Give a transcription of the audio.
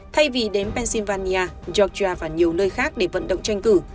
thay vì đến pennsylvania georgia và nhiều nơi khác để vận động tranh cử